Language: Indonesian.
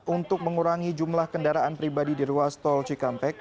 untuk mengurangi jumlah kendaraan pribadi di ruas tol cikampek